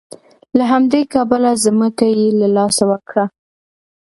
له همدې کبله ځمکه یې له لاسه ورکړه.